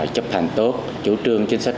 chấp hành tốt chủ trương chính sách